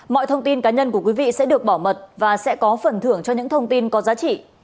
mọi thông tin cá nhân của quý vị sẽ được bảo mật và sẽ có phần thưởng cho những thông tin có giá trị